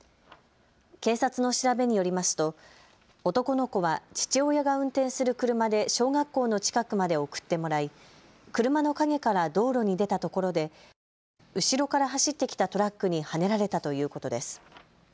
警察の調べによりますと男の子は父親が運転する車で小学校の近くまで送ってもらい車の陰から道路に出たところで後ろから走ってきたトラックにはねられたということです。